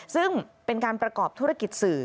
ซึ่งเป็นการประกอบธุรกิจสื่อ